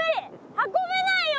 運べないよ